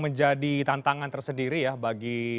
menjadi tantangan tersendiri ya bagi